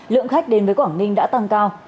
lượng khách đến với quảng ninh đã tăng cao